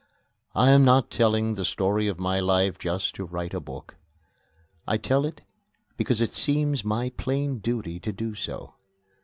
I am not telling the story of my life just to write a book. I tell it because it seems my plain duty to do so.